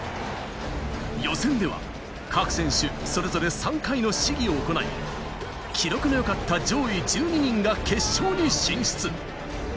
予選では各選手それぞれ３回の試技を行い、記録がよかった上位１２人が決勝に進出。